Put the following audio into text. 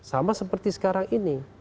sama seperti sekarang ini